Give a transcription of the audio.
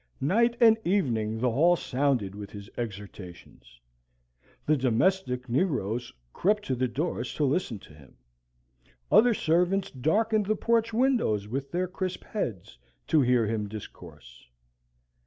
Night and evening the hall sounded with his exhortations. The domestic negroes crept to the doors to listen to him. Other servants darkened the porch windows with their crisp heads to hear him discourse.